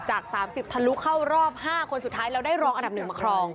จากสามสิบทะลุเข้ารอบห้าคนสุดท้ายแล้วได้รองอันดับหนึ่งมาครอง